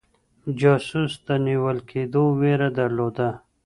جاسوس د نيول کيدو ويره درلوده.